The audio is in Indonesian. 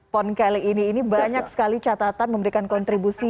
pon kelly ini ini banyak sekali catatan memberikan kontribusi